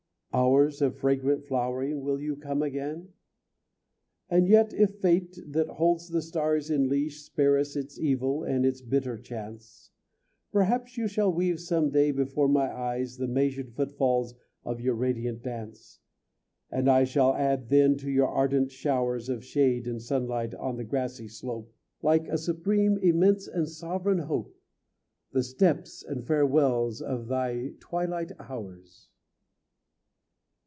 Hours of fragrant flowering, will you come again? And yet if Fate, that holds the stars in leash, Spare us its evil and its bitter chance, Perhaps you shall weave some day before my eyes The measured footfalls of your radiant dance; And I shall add then to your ardent showers Of shade and sunlight on the grassy slope Like a supreme, immense and sovereign hope The steps and farewells of my "Twilight Hours."